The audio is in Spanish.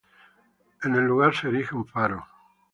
En el lugar se erige un faro.